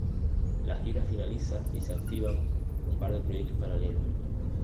La gira finaliza y se activan un par de proyectos paralelos.